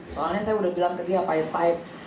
soalnya saya sudah bilang ke dia baik baik